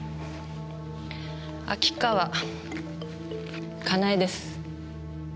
秋川香奈恵です。